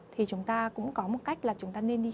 thì chúng ta cũng có một cách là chúng ta nên đi